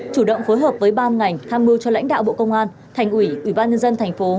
chủ động phối hợp với ban ngành tham mưu cho lãnh đạo bộ công an thành ủy ủy ban nhân dân thành phố